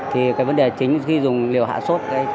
thì vấn đề chính khi dùng liều hạ sốt